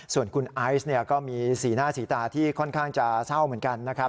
ส่วนคุณไอซ์ก็มีสีหน้าสีตาที่ค่อนข้างจะเศร้าเหมือนกันนะครับ